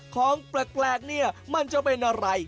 ของแปลกเนี่ยมันจะเป็นอะไร